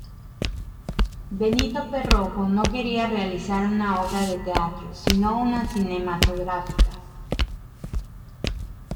Benito Perojo no quería realizar una obra de teatro, sino una cinematográfica.